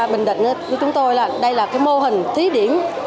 bình định của chúng tôi là đây là cái mô hình thí điểm